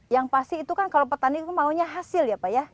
yang pasti itu kan kalau petani maunya hasil ya pak ya